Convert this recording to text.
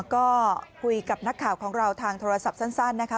ก็คุยกับนักข่าวของเราทางโทรศัพท์สั้นนะคะ